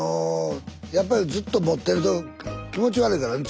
やっぱりずっと持ってると気持ち悪いからね。